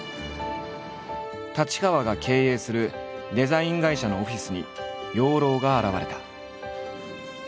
太刀川が経営するデザイン会社のオフィスに養老が現れた。